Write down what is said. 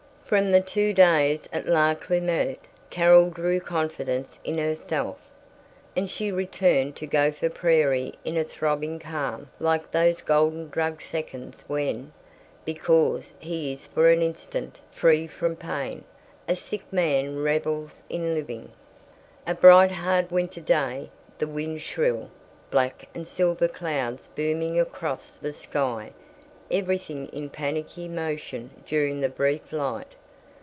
From the two days at Lac qui Meurt Carol drew confidence in herself, and she returned to Gopher Prairie in a throbbing calm like those golden drugged seconds when, because he is for an instant free from pain, a sick man revels in living. A bright hard winter day, the wind shrill, black and silver clouds booming across the sky, everything in panicky motion during the brief light.